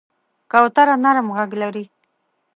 کوتره نرم غږ لري.